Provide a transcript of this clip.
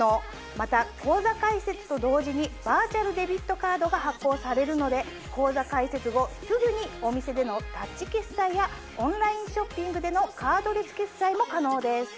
また口座開設と同時にバーチャルデビットカードが発行されるので口座開設後すぐにお店でのタッチ決済やオンラインショッピングでのカードレス決済も可能です。